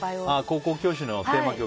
「高校教師」のテーマ曲。